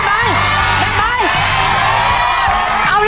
พ่อไปร้องกระดิ่ง